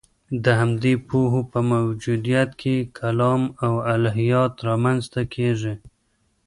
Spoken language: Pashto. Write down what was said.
د همدې پوهو په موجودیت کې کلام او الهیات رامنځته کېږي.